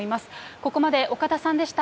ここまで岡田さんでした。